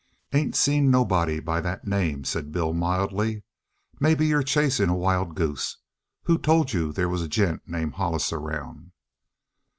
"Ain't seen nobody by that name," said Bill mildly. "Maybe you're chasing a wild goose? Who told you they was a gent named Hollis around?"